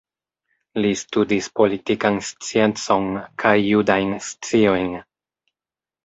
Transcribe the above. Li studis politikan sciencon kaj judajn sciojn.